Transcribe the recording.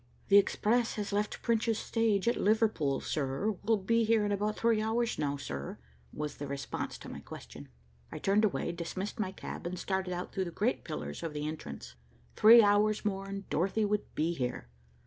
"The Express has left Prince's Stage at Liverpool, sir. Will be here in about three hours now, sir," was the response to my question. I turned away, dismissed my cab, and started out through the great pillars of the entrance. Three hours more and Dorothy would be here.